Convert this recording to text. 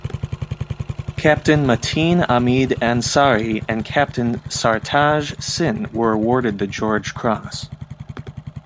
Captain Mateen Ahmed Ansari and Captain Sartaj Singh were awarded the George Cross.